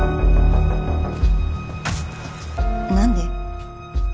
何で？